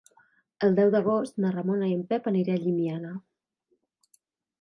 El deu d'agost na Ramona i en Pep aniré a Llimiana.